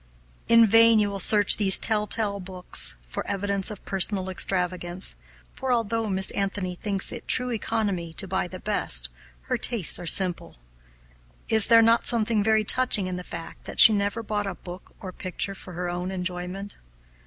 In vain will you search these telltale books for evidence of personal extravagance; for, although Miss Anthony thinks it true economy to buy the best, her tastes are simple. Is there not something very touching in the fact that she never bought a book or picture for her own enjoyment?